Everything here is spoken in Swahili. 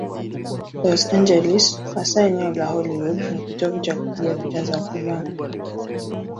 Los Angeles, hasa eneo la Hollywood, ni kitovu cha kupiga picha za filamu.